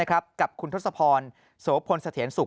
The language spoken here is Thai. กับคุณทศพรสวพลสเถียนสุข